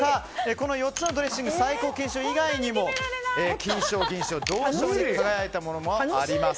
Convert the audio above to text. この４つのドレッシング最高金賞以外にも金賞、銀賞、銅賞に輝いたものもあります。